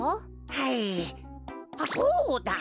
はいあっそうだ！